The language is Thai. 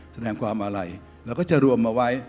แสดงความอาลัยแล้วก็จะรวมมาไว้